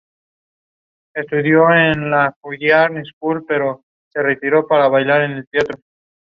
Awning is the most basic type of architectural textile.